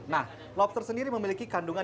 nah lobster sendiri memiliki kandungan